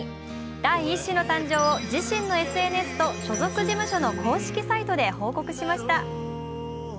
第１子の誕生を、自身のＳＮＳと所属事務所の公式サイトで報告しました。